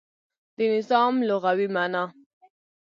د نظام لغوی معنا